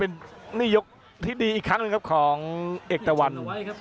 นี่ยกที่ดีอีกครั้งหนึ่งครับของเอกตะวัน